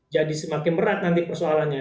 semakin berat nanti persoalannya